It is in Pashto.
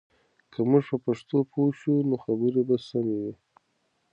که موږ په پښتو پوه شو، نو خبرې به سمې وي.